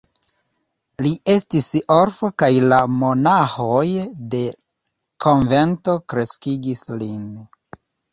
Li estis orfo kaj la monaĥoj de konvento kreskigis lin.